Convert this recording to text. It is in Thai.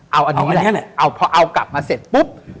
เอาอันนี้แหละเอาพอเอากลับมาเสร็จปุ๊บ